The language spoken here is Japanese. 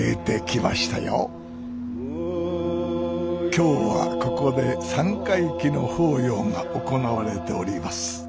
今日はここで三回忌の法要が行われております。